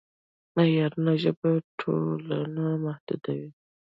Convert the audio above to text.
معیاري ژبه ټولنه متحدوي.